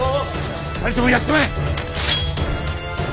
２人ともやってまえ！